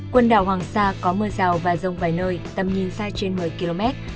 quần đảo hoàng sa có mưa rào và rông vài nơi tầm nhìn xa trên một mươi km